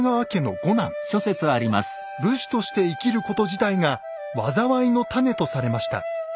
武士として生きること自体が災いの種とされました。